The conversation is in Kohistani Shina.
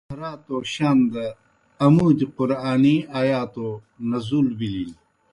ازواج مطہراتو شان دہ آمودیْ قرآنی آیاتو نزول بِلِن۔